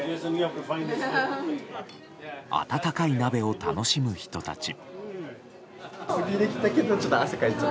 温かい鍋を楽しむ人たち。